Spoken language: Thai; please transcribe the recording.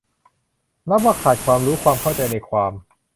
นับว่าขาดความรู้ความเขัาใจในความ